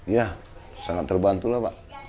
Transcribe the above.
ya sangat terbantu lah pak